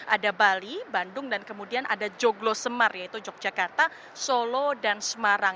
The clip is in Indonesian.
ada bali bandung dan kemudian ada joglo semar yaitu yogyakarta solo dan semarang